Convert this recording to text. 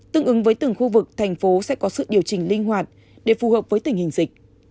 tương ứng với từng khu vực thành phố sẽ có sự điều chỉnh linh hoạt để phù hợp với tình hình dịch